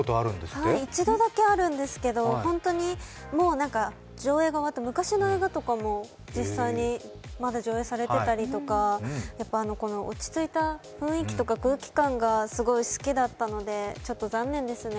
はい、１度だけあるんですけど、上映が終わった昔の映画とかも実際にまだ上映されていたとか、落ち着いた雰囲気とか空気感が好きだったので残念ですね。